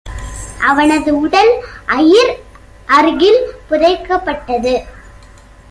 அவனது உடல் அயிர் அருகில் புதைக்கப்பட்டது.